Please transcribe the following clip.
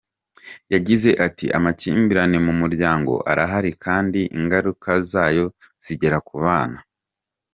Yagize ati “Amakimbirane mu muryango arahari kandi ingaruka zayo zigera ku bana.